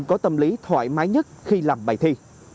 có tâm lý thoải mái nhất khi làm bài thi